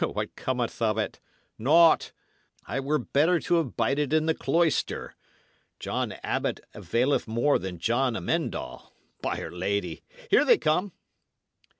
What cometh of it? Naught! I were better to have bided in the cloister. John Abbot availeth more than John Amend All. By 'r Lady! here they come."